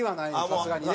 さすがにね。